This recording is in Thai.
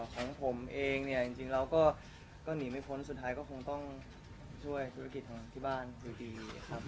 ของผมเองเนี่ยจริงเราก็หนีไม่พ้นสุดท้ายก็คงต้องช่วยธุรกิจของที่บ้านอยู่ดีครับ